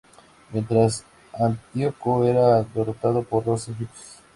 Mientras, Antíoco era derrotado por los egipcios.